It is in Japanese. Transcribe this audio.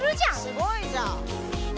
すごいじゃん。